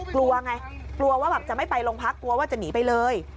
กลัวไงกลัวว่าแบบจะไม่ไปโรงพักกลัวว่าจะหนีไปเลย